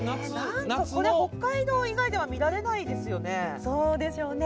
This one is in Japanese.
北海道以外では見られないですよね。